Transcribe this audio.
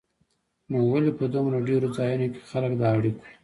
نو ولې په دومره ډېرو ځایونو کې خلک د اړیکو